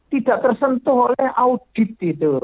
tidak tersentuh oleh audit itu